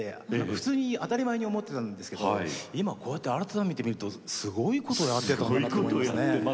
普通に当たり前に思ってたんですけど今、こうやって改めて見るとすごいことやってたなと思いましたね。